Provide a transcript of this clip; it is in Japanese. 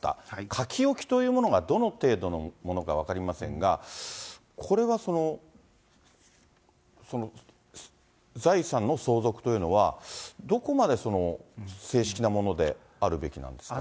書き置きというものが、どの程度のものか分かりませんが、これは財産の相続というのは、どこまで正式なものであるべきなんですか。